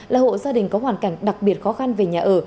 là hộ gia đình có hoàn cảnh đặc biệt khó khăn về nhà ở